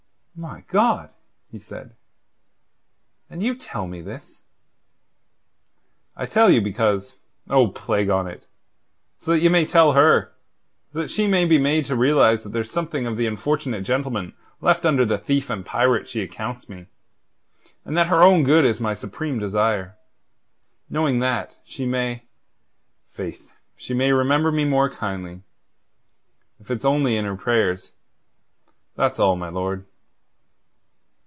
"My God!" he said. "And you tell me this?" "I tell you because... Oh, plague on it! so that ye may tell her; so that she may be made to realize that there's something of the unfortunate gentleman left under the thief and pirate she accounts me, and that her own good is my supreme desire. Knowing that, she may... faith, she may remember me more kindly if it's only in her prayers. That's all, my lord."